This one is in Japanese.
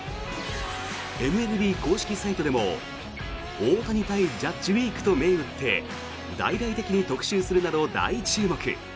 ＭＬＢ公式サイトでも大谷対ジャッジウィークと銘打って大々的に特集するなど大注目。